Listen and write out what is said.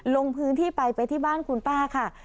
ลงพื้นที่ไปไปที่บ้านคุณป้าค่ะ